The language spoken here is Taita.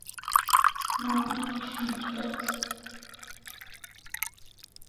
Mao waweshona kidasi